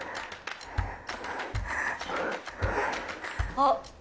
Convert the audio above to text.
あっ！